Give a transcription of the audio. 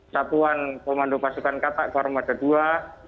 satuan komando pasukan katak kormada ii